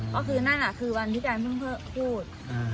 เพราะคือนั่นคือวันที่แกเพิ่งพูด